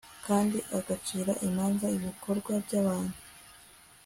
kandi agacira imanza ibikorwa by'abantu